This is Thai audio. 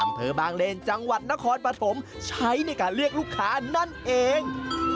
อำเภอบางเลนจังหวัดนครปฐมใช้ในการเลือกลูกค้านั่นเอง